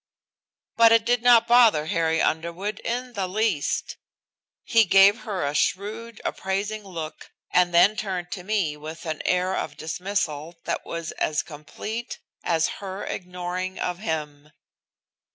But it did not bother Harry Underwood in the least. He gave her a shrewd appraising look and then turned to me with an air of dismissal that was as complete as her ignoring of him.